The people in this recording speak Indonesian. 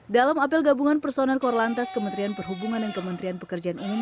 dalam apel gabungan personel korlantas kementerian perhubungan dan kementerian pekerjaan umum